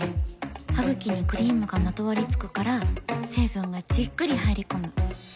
ハグキにクリームがまとわりつくから成分がじっくり入り込む。